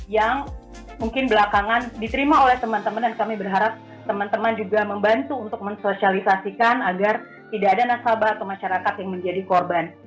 yang mungkin belakangan diterima oleh teman teman dan kami berharap teman teman juga membantu untuk mensosialisasikan agar tidak ada nasabah atau masyarakat yang menjadi korban